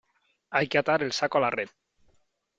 hay que atar el saco a la red .